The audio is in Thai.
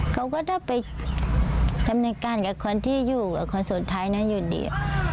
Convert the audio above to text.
เขาก็ต้องไปดำเนินการกับคนที่อยู่กับคนสุดท้ายนะอยู่ดี